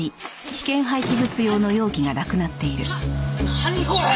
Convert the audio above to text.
何これ！？